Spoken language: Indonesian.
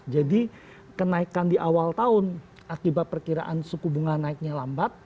jadi kenaikan di awal tahun akibat perkiraan seku bunga naiknya lambat